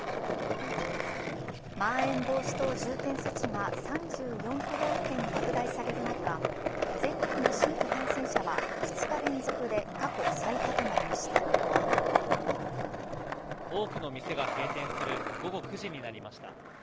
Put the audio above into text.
まん延防止等重点措置が３４都道府県に拡大される中全国の新規感染者は２日連続で多くの店が閉店する午後９時になりました。